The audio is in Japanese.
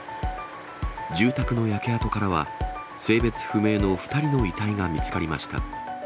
住宅の焼け跡からは、性別不明の２人の遺体が見つかりました。